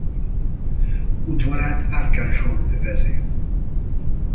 Udvarát árkádsor övezi.